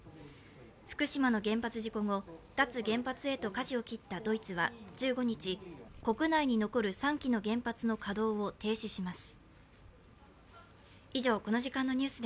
福島の原発事故後、脱原発へとかじを切ったドイツは、１５日、国内に残る３基の原発の稼働を停止します。